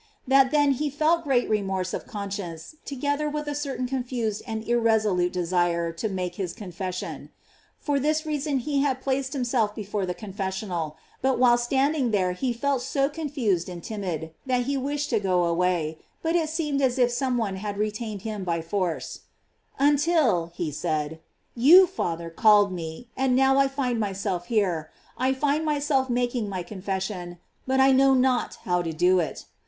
That then he felt great remorse of conscience, together with a certain confused and irresolute desire to make his confession. For this reason he had placed himself before the confessional, but while standing there he felt so confused and timid, that he wished to go away, but it seemed as if some one had retained him by force: "Un GLOKIES OF MAKY. 473 til," he said, "you, Father, called me; and now I find myself hero; I find myself making my confession; but I know not how to do it."